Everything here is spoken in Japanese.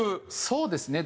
そうですね。